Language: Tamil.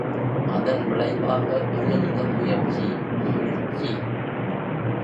அதன் விளைவாக எழுந்த முயற்சி........... மகிழ்ச்சி!